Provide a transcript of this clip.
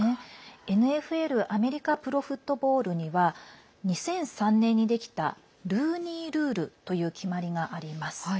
ＮＦＬアメリカプロフットボールには２００３年にできたルーニー・ルールという決まりがあります。